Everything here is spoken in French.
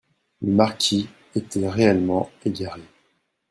Le marquis était réellement égaré.